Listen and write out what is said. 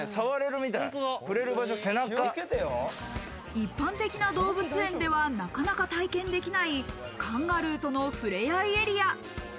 一般的な動物園ではなかなか体験できない、カンガルーとのふれあいエリア。